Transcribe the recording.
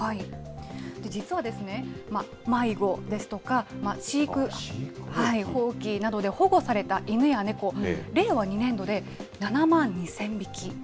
実は、迷子ですとか、飼育放棄などで保護された犬や猫、令和２年度で７万２０００匹。